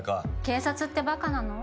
警察ってバカなの？